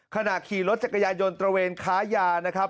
ขณะขี่รถจักรยายนตระเวนค้ายานะครับ